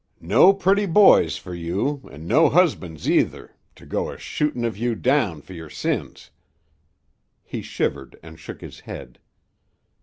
No pretty boys fer you an' no husbands either to go a shootin' of you down fer yer sins.'" He shivered and shook his head.